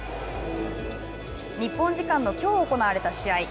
日本時間のきょう行われた試合。